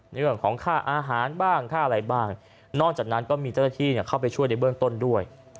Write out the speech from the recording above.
เรื่องของค่าอาหารบ้างค่าอะไรบ้างนอกจากนั้นก็มีเจ้าหน้าที่เข้าไปช่วยในเบื้องต้นด้วย